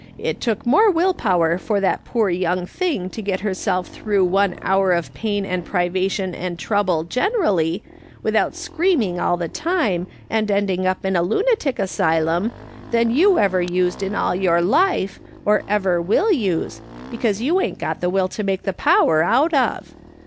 It took more will power for that poor young thing to get herself through one hour of pain and privation and trouble generally, without screaming all the time, and ending up in a lunatic asylum, than you ever used in all your life, or ever will use, because you ain't got the will to make the power out of.